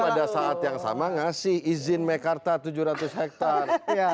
pada saat yang sama ngasih izin mekarta tujuh ratus hektare